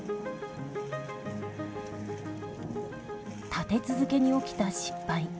立て続けに起きた失敗。